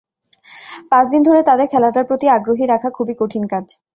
পাঁচ দিন ধরে তাদের খেলাটার প্রতি আগ্রহী রাখা খুবই কঠিন কাজ।